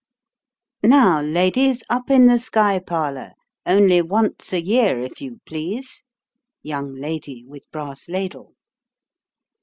" Now ladies, up in the sky parlour : only once a year, if you please !" YOUNG LADY WITH BRASS LADLE.